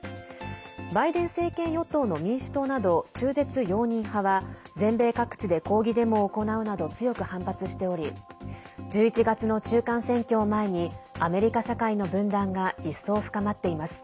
バイデン政権与党の民主党など中絶容認派は全米各地で抗議デモを行うなど強く反発しており１１月の中間選挙を前にアメリカ社会の分断が一層深まっています。